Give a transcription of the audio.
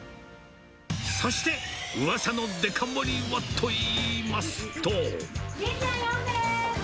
そしてうわさのデカ盛りはといいますと。